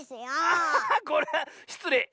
あっこれはしつれい！